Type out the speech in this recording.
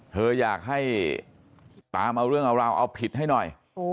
เธออยากให้ตามเอาเรื่องเอาราวเอาผิดให้หน่อย